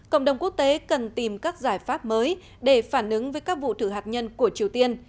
cộng đồng quốc tế cần tìm các giải pháp mới để phản ứng với các vụ thử hạt nhân của triều tiên